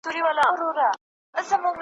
نه به کاڼی پوست سي، نه به غلیم دوست سي ,